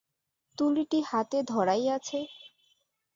তুলিটি হাতে ধরাই আছে।